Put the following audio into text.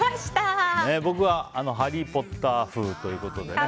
僕はハリー・ポッター風ということで。